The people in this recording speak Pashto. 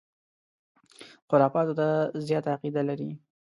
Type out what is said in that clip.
خُرافاتو ته زیاته عقیده لري.